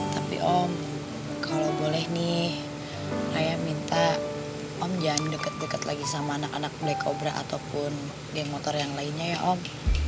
tapi om kalo boleh nih raya minta om jangan deket deket lagi sama anak anak black cobra ataupun geng motor yang lainnya ya om